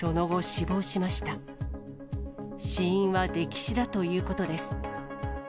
死因は溺死だということです。